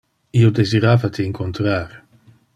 Io desirava te incontrar.